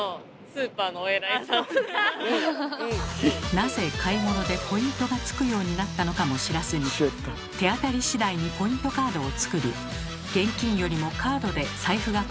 なぜ買い物でポイントがつくようになったのかも知らずに手当たりしだいにポイントカードを作り現金よりもカードで財布がパンパンになっている日本人の